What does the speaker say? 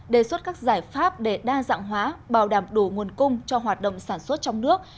đề xuất các giải pháp để đa dạng hóa bảo đảm đủ nguồn cung cho hoạt động sản xuất trong nước